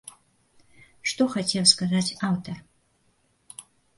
Што хацеў сказаць аўтар?